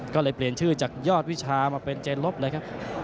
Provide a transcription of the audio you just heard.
ก็เลยเปลี่ยนชื่อจากยอดวิชามาเป็นเจนลบเลยครับ